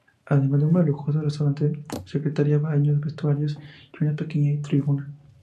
Además de un lujoso restaurante, secretaría, baños, vestuarios y una pequeña tribuna.